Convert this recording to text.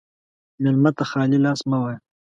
مېلمه ته خالي لاس مه وایه.